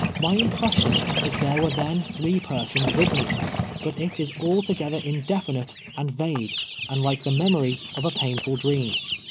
My impression is there were then three per sons with me, but it is altogetlier indelinite and vague, and like the memc^ry of a painful dream.